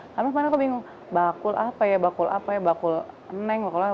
lalu kemarin aku bingung bakul apa ya bakul apa ya bakul eneng bakul apa ya